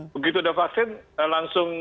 begitu sudah vaksin langsung